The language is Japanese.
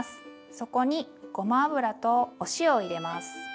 そこにごま油とお塩を入れます。